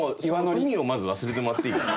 海をまず忘れてもらっていいかな。